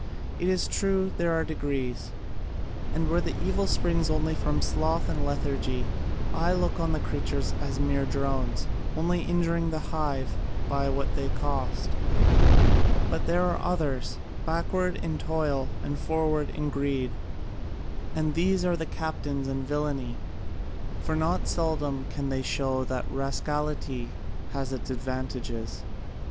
It is true there are degrees, and where the evil springs only from sloth and lethargy, I look on the creatures as mere drones, only injuring the hive by what they cost: but there are others, backward in toil and forward in greed, and these are the captains in villainy: for not seldom can they show that rascality has its advantages.